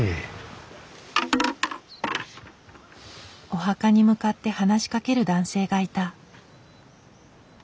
お墓に向かって話しかける男性がいた。